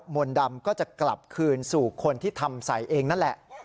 มนต์ดำก็จะกลับคืนสู่คนที่ทำใส่เองนั่นแหละ